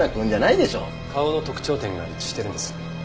顔の特徴点が一致しているんです。